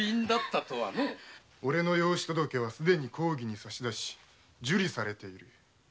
おれの養子届けはすでに公儀に差し出し受理されている。